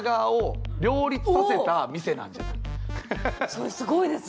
それすごいですね。